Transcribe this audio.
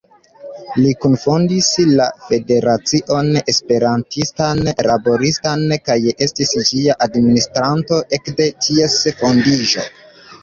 Li kunfondis la Federacion Esperantistan Laboristan kaj estis ĝia administranto ekde ties fondiĝo.